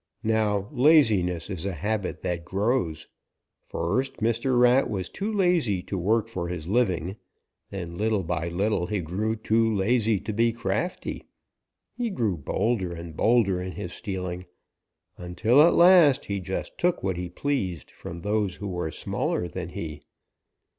Now laziness is a habit that grows. First Mr. Rat was too lazy to work for his living. Then, little by little, he grew too lazy to be crafty. He grew bolder and bolder in his stealing, until at last he just took what he pleased from those who were smaller than he.